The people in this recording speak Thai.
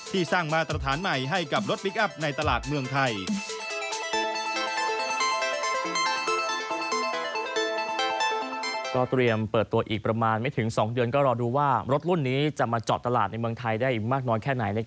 สร้างมาตรฐานใหม่ให้กับรถพลิกอัพในตลาดเมืองไทย